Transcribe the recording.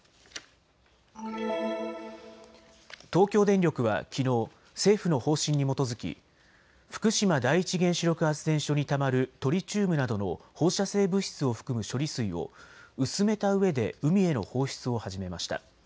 東京電力はきのう政府の方針に基づき福島第一原子力発電所にたまるトリチウムなどの放射性物質を含む処理水を薄めたうえで海への放出を始めました。